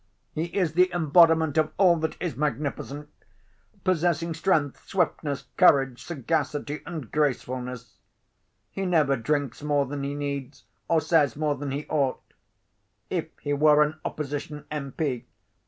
He is the embodiment of all that is magnificent, possessing strength, swiftness, courage, sagacity, and gracefulness. He never drinks more than he needs, or says more than he ought. If he were an opposition M.